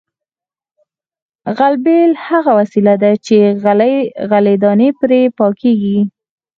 غلبېل هغه وسیله ده چې غلې دانې پرې پاکیږي